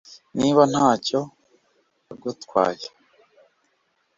Niba nta cyo yagutwaye